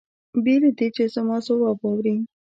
بې له دې چې زما ځواب واوري.